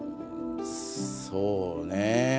そうね